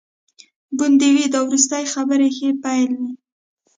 ګوندي وي دا وروستي خبري ښه پیل وي.